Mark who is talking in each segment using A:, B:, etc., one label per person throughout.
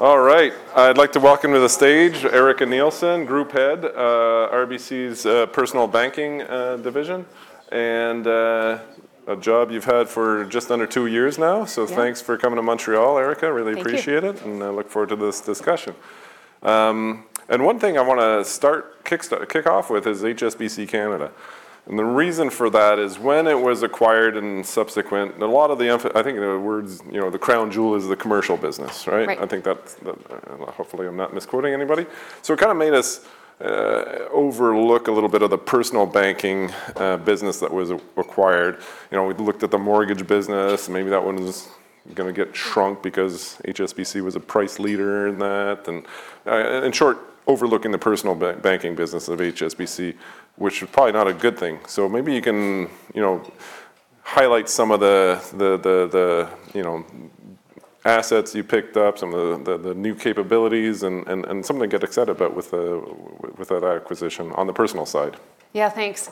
A: All right. I'd like to welcome to the stage Erica Nielsen, Group Head, RBC's Personal Banking division. A job you've had for just under two years now.
B: Yeah.
A: Thanks for coming to Montreal, Erica.
B: Thank you.
A: really appreciate it, and I look forward to this discussion. One thing I wanna start, kick off with is HSBC Canada. The reason for that is when it was acquired, and a lot of the emphasis, I think the words, you know, the crown jewel is the commercial business, right?
B: Right.
A: I think that's it. Hopefully I'm not misquoting anybody. It kinda made us overlook a little bit of the Personal Banking business that was acquired. You know, we'd looked at the mortgage business. Maybe that one's gonna get shrunk because HSBC was a price leader in that. In short, overlooking the Personal Banking business of HSBC, which was probably not a good thing. Maybe you can, you know, highlight some of the, you know, assets you picked up, some of the new capabilities and something to get excited about with that acquisition on the personal side.
B: Yeah, thanks.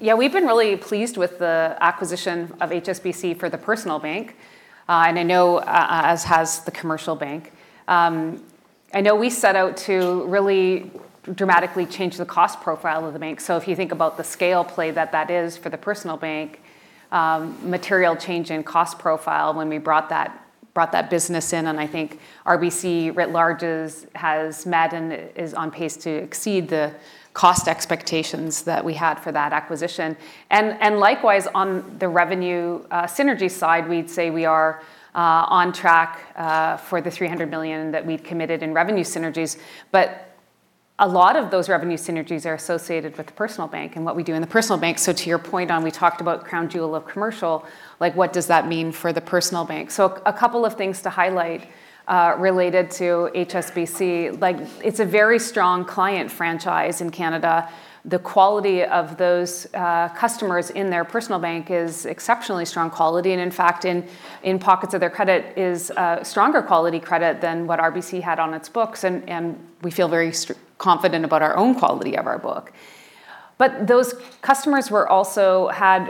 B: Yeah, we've been really pleased with the acquisition of HSBC for the Personal Bank. I know as has the Commercial Bank. I know we set out to really dramatically change the cost profile of the bank. If you think about the scale play that is for the Personal Bank, material change in cost profile when we brought that business in. I think RBC writ large has met and is on pace to exceed the cost expectations that we had for that acquisition. Likewise, on the revenue synergy side, we'd say we are on track for the 300 million that we'd committed in revenue synergies. A lot of those revenue synergies are associated with the Personal Bank and what we do in the Personal Bank. To your point on, we talked about crown jewel of commercial, like, what does that mean for the personal bank? A couple of things to highlight related to HSBC. Like, it's a very strong client franchise in Canada. The quality of those customers in their personal bank is exceptionally strong quality. In fact, in pockets of their credit is stronger quality credit than what RBC had on its books, and we feel very confident about our own quality of our book. Those customers also had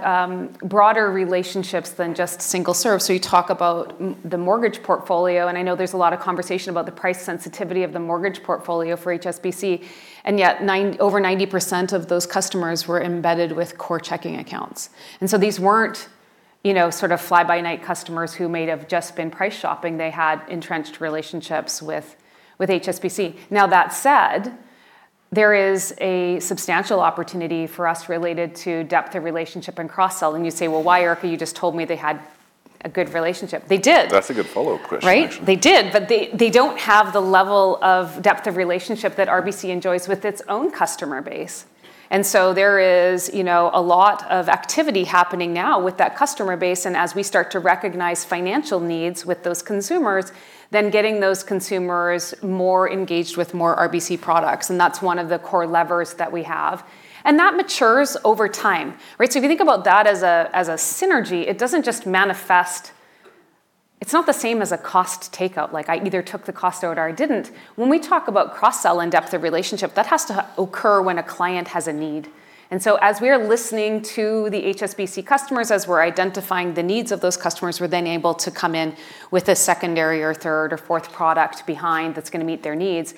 B: broader relationships than just single serve. You talk about the mortgage portfolio, and I know there's a lot of conversation about the price sensitivity of the mortgage portfolio for HSBC, and yet over 90% of those customers were embedded with core checking accounts. These weren't, you know, sort of fly-by-night customers who may have just been price shopping. They had entrenched relationships with HSBC. Now, that said, there is a substantial opportunity for us related to depth of relationship and cross-sell. You say, "Well, why Erica? You just told me they had a good relationship." They did.
A: That's a good follow-up question actually.
B: Right. They did, but they don't have the level of depth of relationship that RBC enjoys with its own customer base. There is, you know, a lot of activity happening now with that customer base. As we start to recognize financial needs with those consumers, then getting those consumers more engaged with more RBC products, and that's one of the core levers that we have. That matures over time. Right. If you think about that as a, as a synergy, it doesn't just manifest. It's not the same as a cost takeout. Like, I either took the cost out or I didn't. When we talk about cross-sell and depth of relationship, that has to occur when a client has a need. As we're listening to the HSBC customers, as we're identifying the needs of those customers, we're then able to come in with a secondary or third or fourth product behind that's gonna meet their needs.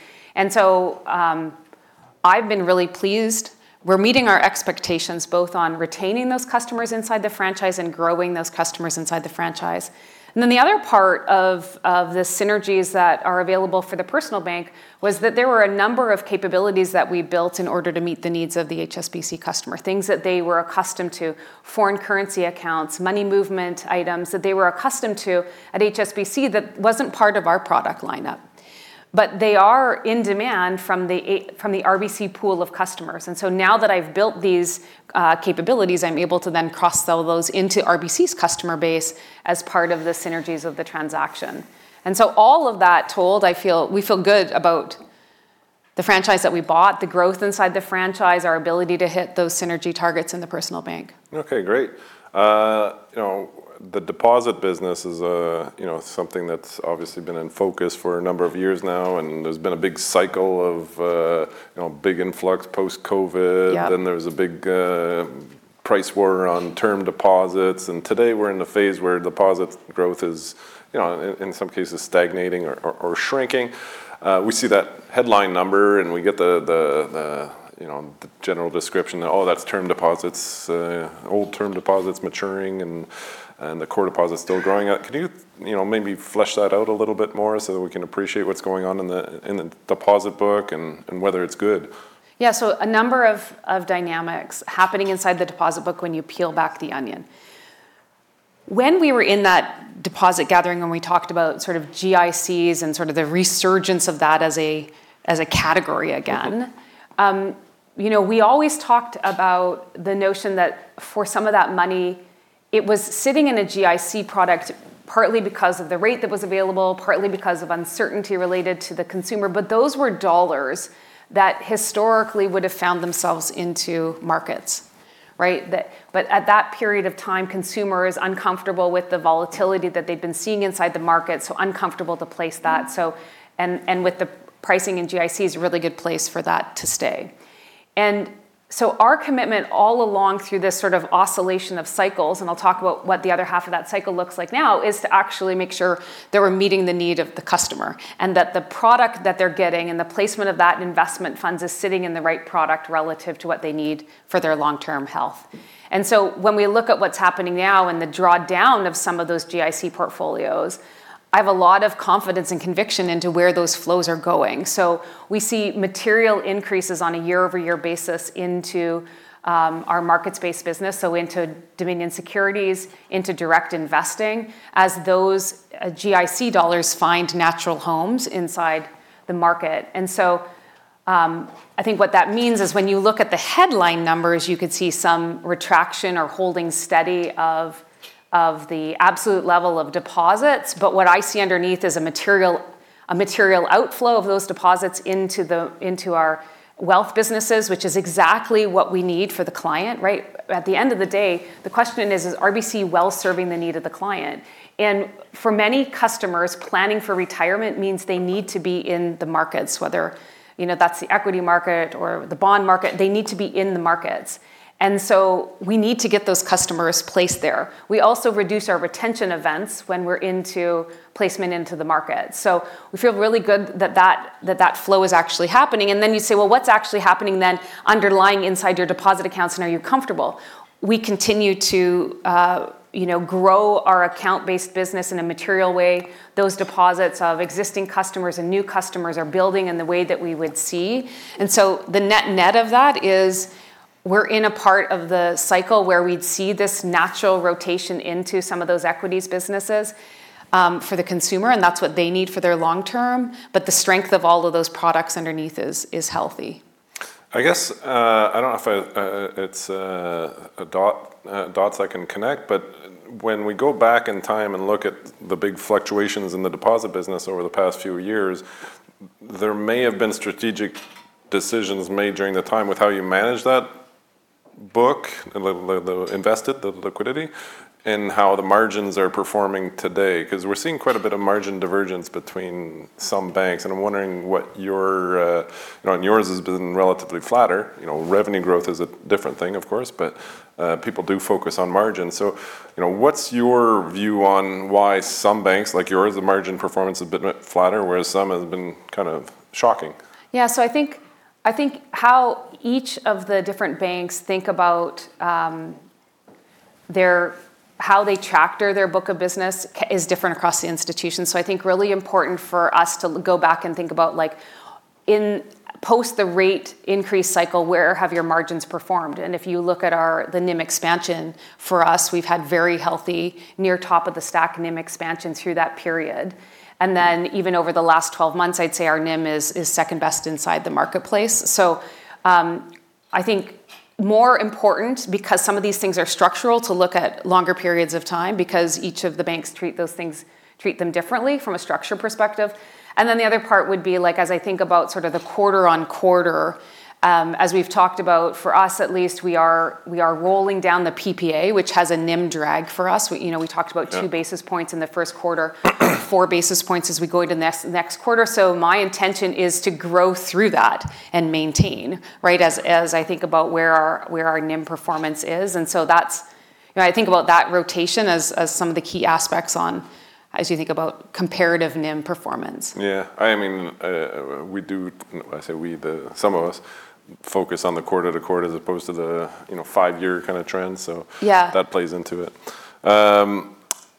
B: I've been really pleased. We're meeting our expectations both on retaining those customers inside the franchise and growing those customers inside the franchise. The other part of the synergies that are available for the Personal Banking was that there were a number of capabilities that we built in order to meet the needs of the HSBC customer, things that they were accustomed to. Foreign currency accounts, money movement items that they were accustomed to at HSBC that wasn't part of our product lineup. But they are in demand from the RBC pool of customers. Now that I've built these capabilities, I'm able to then cross-sell those into RBC's customer base as part of the synergies of the transaction. All of that told, I feel, we feel good about the franchise that we bought, the growth inside the franchise, our ability to hit those synergy targets in the Personal Banking.
A: Okay, great. You know, the deposit business is, you know, something that's obviously been in focus for a number of years now, and there's been a big cycle of, you know, big influx post-COVID.
B: Yeah.
A: There was a big price war on term deposits. Today, we're in the phase where deposit growth is, you know, in some cases stagnating or shrinking. We see that headline number, and we get you know the general description that, "Oh, that's term deposits," old term deposits maturing and the core deposits still growing. Can you know, maybe flesh that out a little bit more so that we can appreciate what's going on in the deposit book and whether it's good?
B: Yeah. A number of dynamics happening inside the deposit book when you peel back the onion. When we were in that deposit gathering and we talked about sort of GICs and sort of the resurgence of that as a category again. You know, we always talked about the notion that for some of that money, it was sitting in a GIC product partly because of the rate that was available, partly because of uncertainty related to the consumer. Those were dollars that historically would have found themselves into markets, right? At that period of time, the consumer is uncomfortable with the volatility that they'd been seeing inside the market, so uncomfortable to place that. With the pricing, GIC is a really good place for that to stay. Our commitment all along through this sort of oscillation of cycles, and I'll talk about what the other half of that cycle looks like now, is to actually make sure that we're meeting the need of the customer and that the product that they're getting and the placement of that investment funds is sitting in the right product relative to what they need for their long-term health. When we look at what's happening now and the drawdown of some of those GIC portfolios, I have a lot of confidence and conviction into where those flows are going. We see material increases on a year-over-year basis into our markets-based business, so into Dominion Securities, into Direct Investing, as those GIC dollars find natural homes inside the market. I think what that means is when you look at the headline numbers, you could see some retraction or holding steady of the absolute level of deposits. But what I see underneath is a material outflow of those deposits into our wealth businesses, which is exactly what we need for the client, right? At the end of the day, the question is RBC well-serving the need of the client? For many customers, planning for retirement means they need to be in the markets, whether you know that's the equity market or the bond market. They need to be in the markets. We need to get those customers placed there. We also reduce our retention events when we're into placement into the market. We feel really good that that flow is actually happening. You say, "Well, what's actually happening then underlying inside your deposit accounts, and are you comfortable?" We continue to, you know, grow our account-based business in a material way. Those deposits of existing customers and new customers are building in the way that we would see. The net-net of that is we're in a part of the cycle where we'd see this natural rotation into some of those equities businesses, for the consumer, and that's what they need for their long term. The strength of all of those products underneath is healthy.
A: I guess I don't know if it's dots I can connect, but when we go back in time and look at the big fluctuations in the deposit business over the past few years, there may have been strategic decisions made during the time with how you manage that book, the invested liquidity, and how the margins are performing today. 'Cause we're seeing quite a bit of margin divergence between some banks, and I'm wondering what your... You know, and yours has been relatively flatter. You know, revenue growth is a different thing, of course. People do focus on margin. You know, what's your view on why some banks, like yours, the margin performance has been flatter, whereas some have been kind of shocking?
B: I think how each of the different banks think about their how they track their book of business is different across the institutions. I think really important for us to go back and think about, like, in post the rate increase cycle, where have your margins performed? If you look at the NIM expansion for us, we've had very healthy near top of the stack NIM expansion through that period. Then even over the last 12 months, I'd say our NIM is second best inside the marketplace. I think more important, because some of these things are structural, to look at longer periods of time, because each of the banks treat those things differently from a structural perspective. The other part would be, like, as I think about sort of the quarter-over-quarter, as we've talked about, for us at least, we are rolling down the PPA, which has a NIM drag for us. We, you know, we talked about.
A: Yeah
B: two basis points in the first quarter, four basis points as we go into next quarter. My intention is to grow through that and maintain, right, as I think about where our NIM performance is. You know, I think about that rotation as some of the key aspects on as you think about comparative NIM performance.
A: Yeah. I mean, we do. Some of us focus on the quarter-to-quarter as opposed to the, you know, five-year kind of trend.
B: Yeah
A: that plays into it.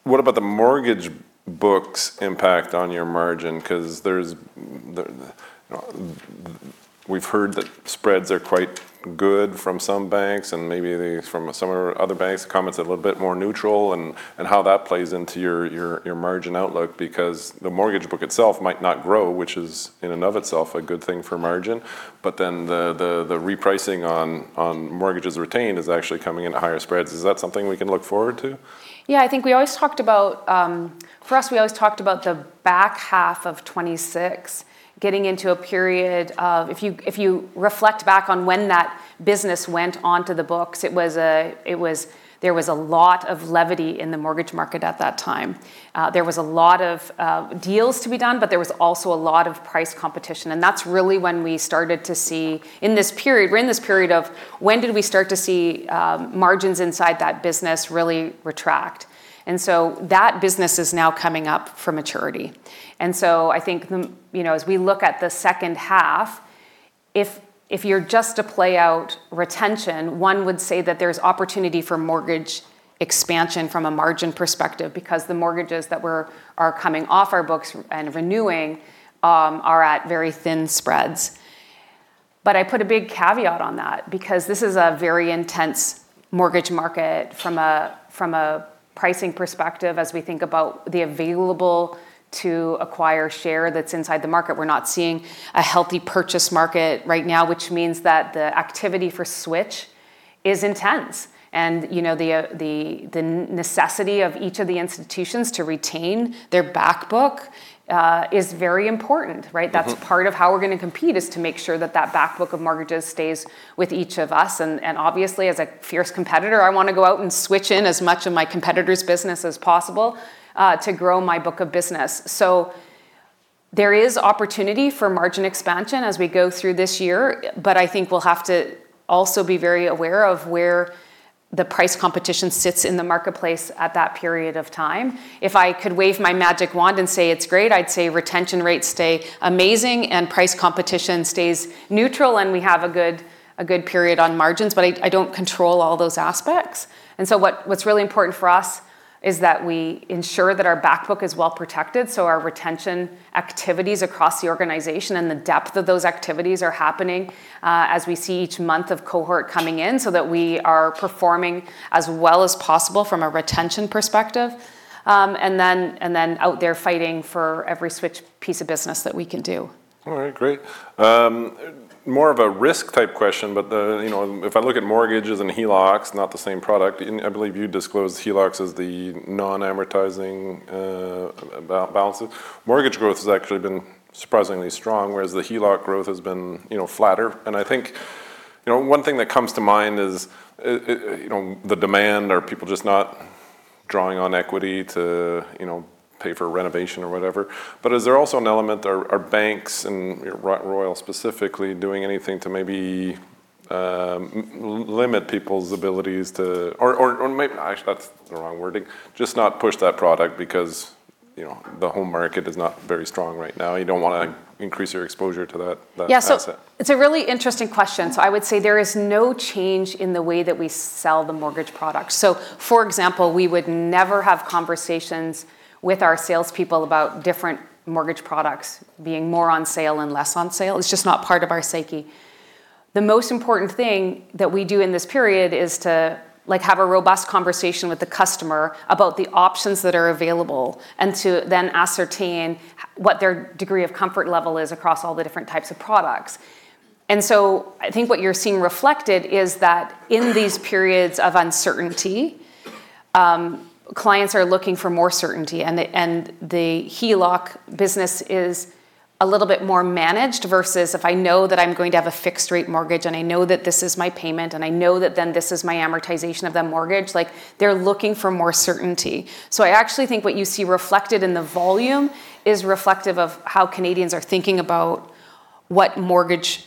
A: What about the mortgage book's impact on your margin? 'Cause there's the you know, we've heard that spreads are quite good from some banks, and maybe from some other banks, the comment's a little bit more neutral and how that plays into your margin outlook because the mortgage book itself might not grow, which is in and of itself a good thing for margin. The repricing on mortgages retained is actually coming into higher spreads. Is that something we can look forward to?
B: Yeah, I think we always talked about. For us, we always talked about the back half of 2026 getting into a period of. If you reflect back on when that business went onto the books, it was. There was a lot of levity in the mortgage market at that time. There was a lot of deals to be done, but there was also a lot of price competition, and that's really when we started to see. In this period, we're in this period of when did we start to see margins inside that business really retract. That business is now coming up for maturity. I think, you know, as we look at the second half, if you're just to play out retention, one would say that there's opportunity for mortgage expansion from a margin perspective because the mortgages that are coming off our books and renewing are at very thin spreads. But I put a big caveat on that because this is a very intense mortgage market from a pricing perspective as we think about the available to acquire share that's inside the market. We're not seeing a healthy purchase market right now, which means that the activity for switch is intense. You know, the necessity of each of the institutions to retain their back book is very important, right? That's part of how we're gonna compete, is to make sure that that back book of mortgages stays with each of us. Obviously, as a fierce competitor, I wanna go out and switch in as much of my competitor's business as possible, to grow my book of business. There is opportunity for margin expansion as we go through this year, but I think we'll have to also be very aware of where the price competition sits in the marketplace at that period of time. If I could wave my magic wand and say it's great, I'd say retention rates stay amazing and price competition stays neutral, and we have a good period on margins. I don't control all those aspects. What's really important for us is that we ensure that our back book is well protected, so our retention activities across the organization and the depth of those activities are happening as we see each month of cohort coming in so that we are performing as well as possible from a retention perspective. Out there fighting for every switch piece of business that we can do.
A: All right, great. More of a risk type question, but you know, if I look at mortgages and HELOCs, not the same product, and I believe you disclosed HELOCs as the non-amortizing balances. Mortgage growth has actually been surprisingly strong, whereas the HELOC growth has been, you know, flatter. I think, you know, one thing that comes to mind is you know, the demand or people just not drawing on equity to, you know, pay for renovation or whatever. Is there also an element or banks and Royal specifically doing anything to maybe limit people's abilities to. Or actually, that's the wrong wording. Just not push that product because, you know, the home market is not very strong right now. You don't wanna increase your exposure to that asset.
B: Yeah. It's a really interesting question. I would say there is no change in the way that we sell the mortgage product. For example, we would never have conversations with our salespeople about different mortgage products being more on sale and less on sale. It's just not part of our psyche. The most important thing that we do in this period is to, like, have a robust conversation with the customer about the options that are available and to then ascertain what their degree of comfort level is across all the different types of products. I think what you're seeing reflected is that in these periods of uncertainty, clients are looking for more certainty, and the HELOC business is a little bit more managed versus if I know that I'm going to have a fixed-rate mortgage, and I know that this is my payment, and I know that then this is my amortization of that mortgage. Like, they're looking for more certainty. I actually think what you see reflected in the volume is reflective of how Canadians are thinking about what mortgage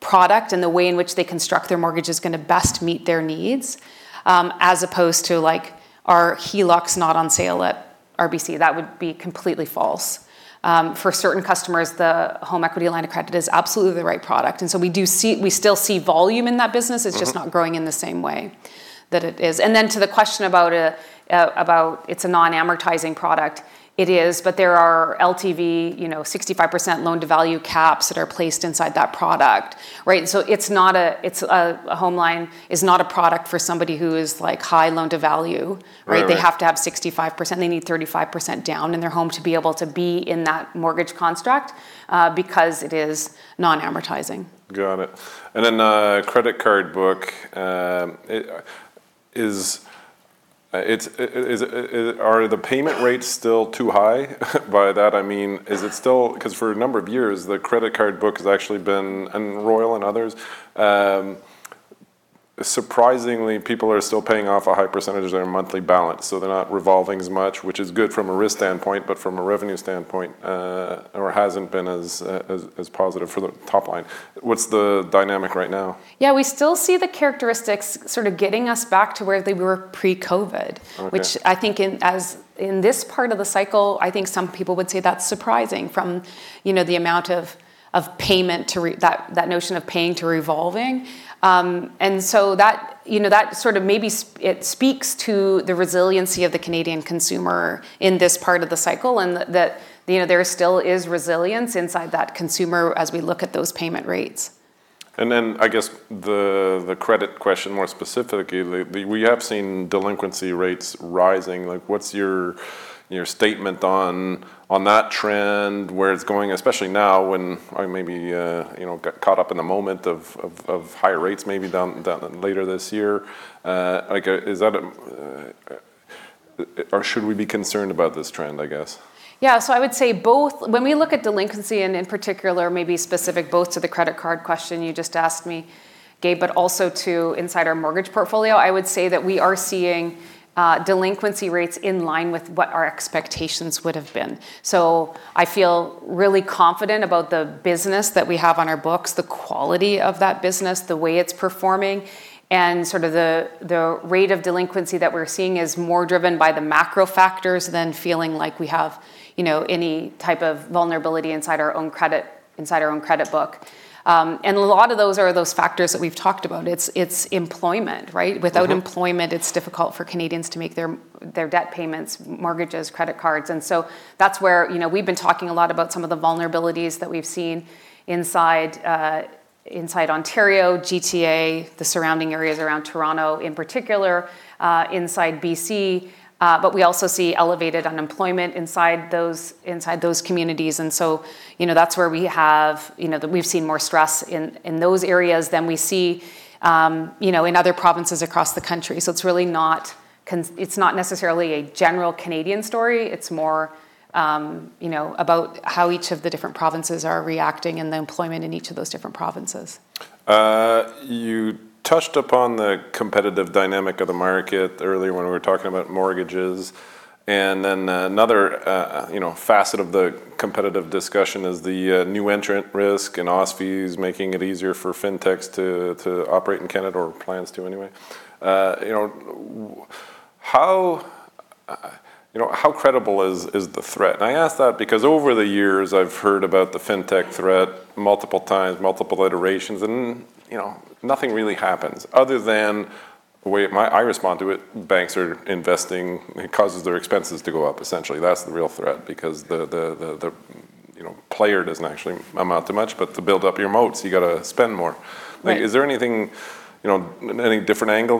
B: product and the way in which they construct their mortgage is gonna best meet their needs, as opposed to like, are HELOCs not on sale at RBC? That would be completely false. For certain customers, the home equity line of credit is absolutely the right product. We still see volume in that business. It's just not growing in the same way that it is. To the question about it's a non-amortizing product. It is, but there are LTV, you know, 65% loan-to-value caps that are placed inside that product, right? It's a home line is not a product for somebody who is, like, high loan-to-value.
A: Right, right.
B: They have to have 65%. They need 35% down in their home to be able to be in that mortgage construct, because it is non-amortizing.
A: Got it. Credit card book. Are the payment rates still too high? By that, I mean, is it still, 'cause for a number of years, the credit card book, Royal and others, surprisingly, people are still paying off a high percentage of their monthly balance, so they're not revolving as much, which is good from a risk standpoint, but from a revenue standpoint, it hasn't been as positive for the top line. What's the dynamic right now?
B: Yeah, we still see the characteristics sort of getting us back to where they were pre-COVID.
A: Okay.
B: Which I think, as in this part of the cycle, I think some people would say that's surprising from, you know, the amount of payment to that notion of paying to revolving. That sort of maybe it speaks to the resiliency of the Canadian consumer in this part of the cycle, and that, you know, there still is resilience inside that consumer as we look at those payment rates.
A: I guess the credit question, more specifically. We have seen delinquency rates rising. Like, what's your statement on that trend, where it's going, especially now when or maybe, you know, got caught up in the moment of higher rates maybe down later this year. Like, or should we be concerned about this trend, I guess?
B: I would say both. When we look at delinquency, and in particular, maybe specific both to the credit card question you just asked me, Gabe, but also to inside our mortgage portfolio, I would say that we are seeing delinquency rates in line with what our expectations would have been. I feel really confident about the business that we have on our books, the quality of that business, the way it's performing, and sort of the rate of delinquency that we're seeing is more driven by the macro factors than feeling like we have, you know, any type of vulnerability inside our own credit book. A lot of those are the factors that we've talked about. It's employment, right? Without employment, it's difficult for Canadians to make their debt payments, mortgages, credit cards. That's where, you know, we've been talking a lot about some of the vulnerabilities that we've seen inside Ontario, GTA, the surrounding areas around Toronto in particular, inside BC, but we also see elevated unemployment inside those communities. That's where we have, you know, that we've seen more stress in those areas than we see, you know, in other provinces across the country. It's really not necessarily a general Canadian story. It's more, you know, about how each of the different provinces are reacting and the employment in each of those different provinces.
A: You touched upon the competitive dynamic of the market earlier when we were talking about mortgages. Then another, you know, facet of the competitive discussion is the new entrant risk and OSFI's making it easier for fintechs to operate in Canada or plans to anyway. You know, how credible is the threat? I ask that because over the years I've heard about the fintech threat multiple times, multiple iterations, and, you know, nothing really happens other than the way I respond to it. Banks are investing. It causes their expenses to go up, essentially. That's the real threat because the, you know, player doesn't actually amount to much, but to build up your moats, you gotta spend more.
B: Right.
A: Is there anything, you know, any different angle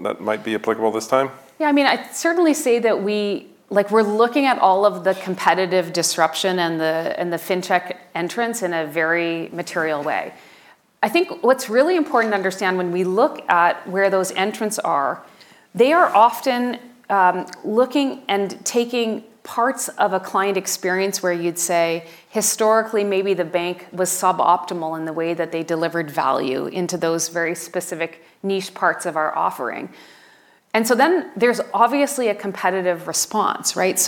A: that might be applicable this time?
B: Yeah, I mean, I'd certainly say that we like, we're looking at all of the competitive disruption and the fintech entrants in a very material way. I think what's really important to understand when we look at where those entrants are, they are often looking and taking parts of a client experience where you'd say historically maybe the bank was suboptimal in the way that they delivered value into those very specific niche parts of our offering. There's obviously a competitive response, right?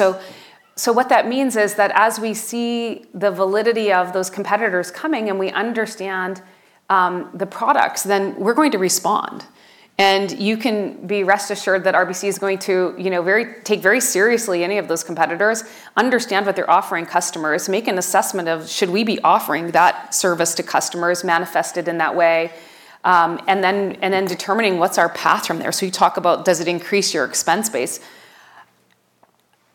B: What that means is that as we see the validity of those competitors coming and we understand the products, then we're going to respond. You can be rest assured that RBC is going to, you know, very take very seriously any of those competitors, understand what they're offering customers, make an assessment of should we be offering that service to customers manifested in that way, and then determining what's our path from there. You talk about does it increase your expense base?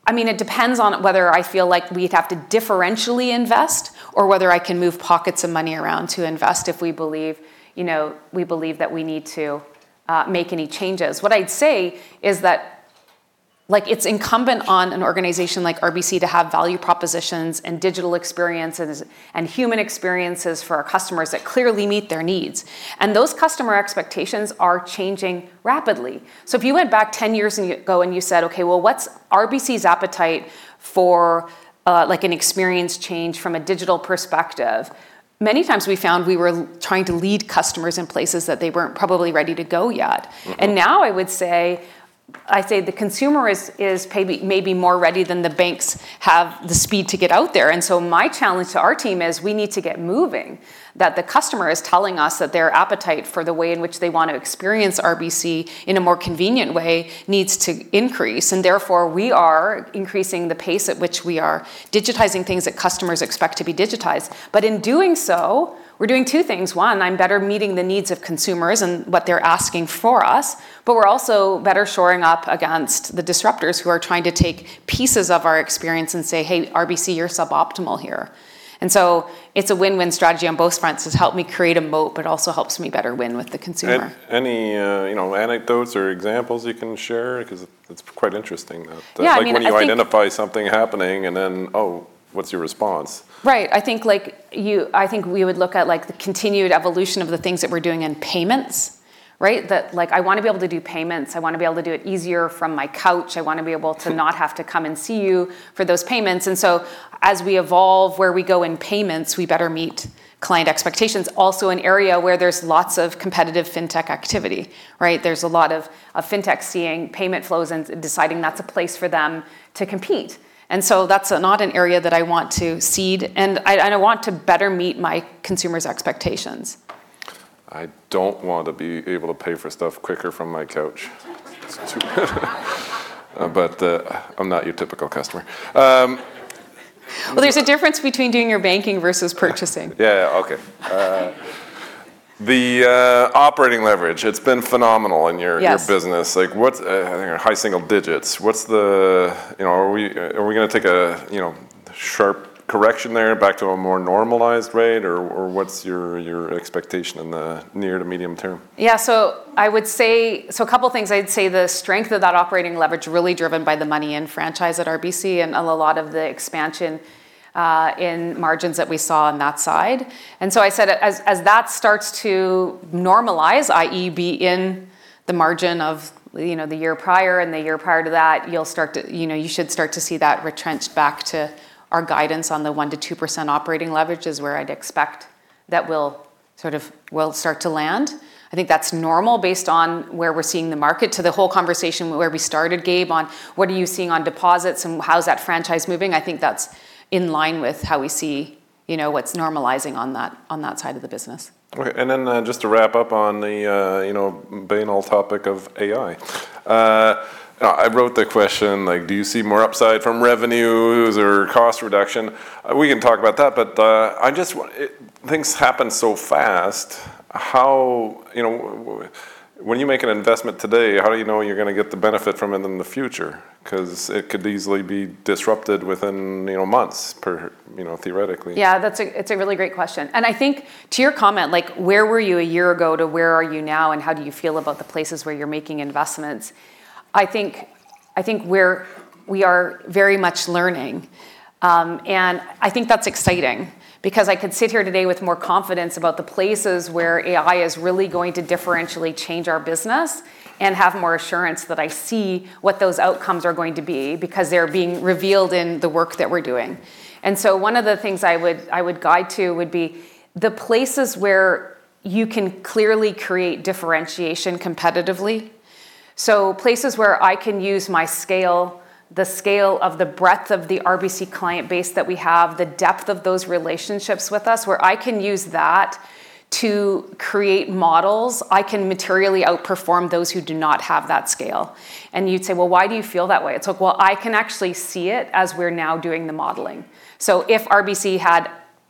B: I mean, it depends on whether I feel like we have to differentially invest or whether I can move pockets of money around to invest if we believe, you know, we believe that we need to make any changes. What I'd say is that, like, it's incumbent on an organization like RBC to have value propositions and digital experiences and human experiences for our customers that clearly meet their needs, and those customer expectations are changing rapidly. If you went back 10 years ago and you said, "Okay, well, what's RBC's appetite for, like, an experience change from a digital perspective?" Many times we found we were trying to lead customers in places that they weren't probably ready to go yet. Now I would say the consumer is maybe more ready than the banks have the speed to get out there. My challenge to our team is we need to get moving, that the customer is telling us that their appetite for the way in which they want to experience RBC in a more convenient way needs to increase, and therefore we are increasing the pace at which we are digitizing things that customers expect to be digitized. In doing so, we're doing two things. One, I'm better meeting the needs of consumers and what they're asking for us, but we're also better shoring up against the disruptors who are trying to take pieces of our experience and say, "Hey, RBC, you're suboptimal here." It's a win-win strategy on both fronts. It's helped me create a moat, but also helps me better win with the consumer.
A: Anyway, you know, anecdotes or examples you can share? 'Cause it's quite interesting that.
B: Yeah, I mean, I think.
A: Like, when you identify something happening and then, oh, what's your response?
B: Right. I think, like, we would look at, like, the continued evolution of the things that we're doing in payments, right? That, like, I wanna be able to do payments. I wanna be able to do it easier from my couch. I wanna be able to not have to come and see you for those payments. As we evolve where we go in payments, we better meet client expectations. Also an area where there's lots of competitive fintech activity, right? There's a lot of fintech seeing payment flows and deciding that's a place for them to compete. That's not an area that I want to cede, and I want to better meet my consumers' expectations.
A: I don't want to be able to pay for stuff quicker from my couch. I'm not your typical customer.
B: Well, there's a difference between doing your banking versus purchasing.
A: Yeah. Yeah, okay. The operating leverage, it's been phenomenal in your-
B: Yes
A: your business. Like, what's high single digits. You know, are we gonna take a you know, sharp correction there back to a more normalized rate? Or what's your expectation in the near to medium term?
B: Yeah, I would say a couple things. I'd say the strength of that operating leverage really driven by the momentum and franchise at RBC and a lot of the expansion in margins that we saw on that side. I said as that starts to normalize, i.e., be in the margin of, you know, the year prior and the year prior to that, you'll start to you know, you should start to see that retrenched back to our guidance on the 1%-2% operating leverage is where I'd expect that we'll sort of we'll start to land. I think that's normal based on where we're seeing the market, tying to the whole conversation where we started, Gabe, on what are you seeing on deposits and how is that franchise moving. I think that's in line with how we see, you know, what's normalizing on that side of the business.
A: Okay. Just to wrap up on the, you know, banal topic of AI. I wrote the question, like, do you see more upside from revenues or cost reduction? We can talk about that, but things happen so fast. How, you know, when you make an investment today, how do you know you're gonna get the benefit from it in the future? 'Cause it could easily be disrupted within, you know, months perhaps, you know, theoretically.
B: Yeah, that's a really great question. I think to your comment, like, where were you a year ago to where are you now, and how do you feel about the places where you're making investments, we are very much learning. I think that's exciting because I could sit here today with more confidence about the places where AI is really going to differentially change our business and have more assurance that I see what those outcomes are going to be because they're being revealed in the work that we're doing. One of the things I would guide to would be the places where you can clearly create differentiation competitively. Places where I can use my scale, the scale of the breadth of the RBC client base that we have, the depth of those relationships with us, where I can use that to create models, I can materially outperform those who do not have that scale. You'd say, "Well, why do you feel that way?" It's like, well, I can actually see it as we're now doing the modeling. If RBC had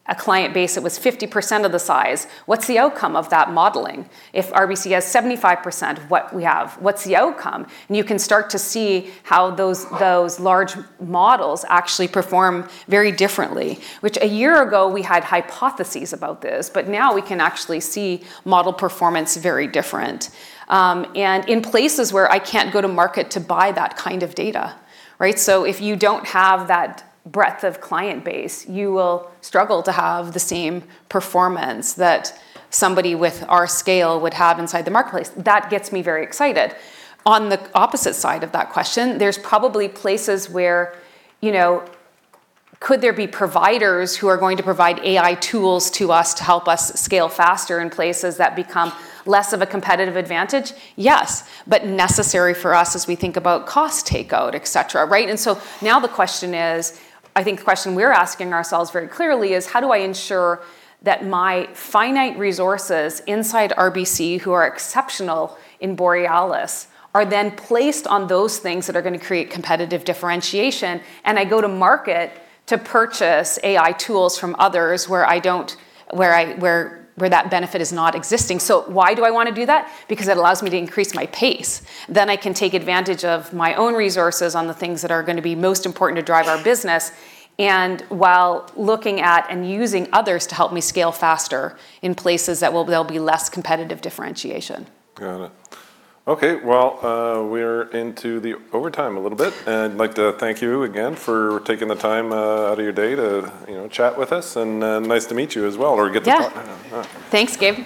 B: a client base that was 50% of the size, what's the outcome of that modeling? If RBC has 75% of what we have, what's the outcome? You can start to see how those large models actually perform very differently, which a year ago, we had hypotheses about this, but now we can actually see model performance very different. In places where I can't go to market to buy that kind of data, right? If you don't have that breadth of client base, you will struggle to have the same performance that somebody with our scale would have inside the marketplace. That gets me very excited. On the opposite side of that question, there's probably places where, you know, could there be providers who are going to provide AI tools to us to help us scale faster in places that become less of a competitive advantage? Yes, but necessary for us as we think about cost takeout, et cetera, right? Now the question is, I think the question we're asking ourselves very clearly is, how do I ensure that my finite resources inside RBC, who are exceptional in Borealis, are then placed on those things that are gonna create competitive differentiation, and I go to market to purchase AI tools from others where that benefit is not existing. Why do I wanna do that? Because it allows me to increase my pace. I can take advantage of my own resources on the things that are gonna be most important to drive our business, and while looking at and using others to help me scale faster in places there'll be less competitive differentiation.
A: Got it. Okay. Well, we're into the overtime a little bit, and I'd like to thank you again for taking the time out of your day to, you know, chat with us, and nice to meet you as well or get to talk.
B: Yeah.
A: All right.
B: Thanks, Gabe.